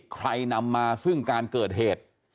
นำมาซึ่งการเกิดเหตุ